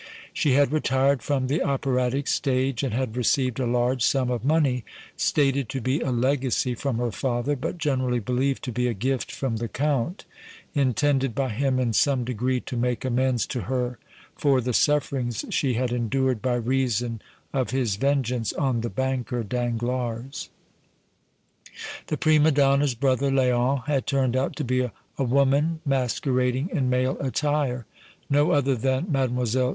She had retired from the operatic stage, and had received a large sum of money, stated to be a legacy from her father, but generally believed to be a gift from the Count, intended by him in some degree to make amends to her for the sufferings she had endured by reason of his vengeance on the banker Danglars. The prima donna's brother Léon had turned out to be a woman masquerading in male attire, no other than Mlle.